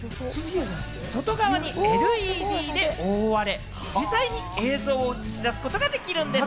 外側がＬＥＤで覆われ、自在に映像を映し出すことができるんです。